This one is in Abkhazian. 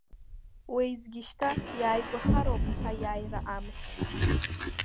Уеизгьы, шьҭа иааигәахароуп Аиааира амш!